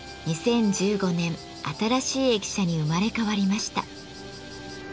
２０１５年新しい駅舎に生まれ変わりました。